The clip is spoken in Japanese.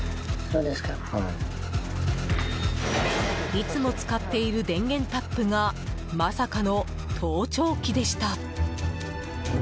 いつも使っている電源タップがまさかの盗聴器でした。